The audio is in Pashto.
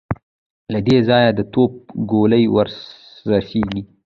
له دې ځايه د توپ ګولۍ ور رسېږي.